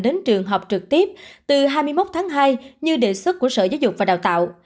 đến trường học trực tiếp từ hai mươi một tháng hai như đề xuất của sở giáo dục và đào tạo